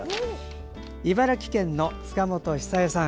茨城県の塚本ひさ恵さん。